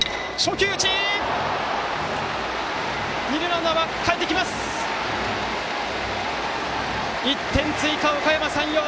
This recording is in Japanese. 二塁ランナーがかえってきて１点追加、おかやま山陽！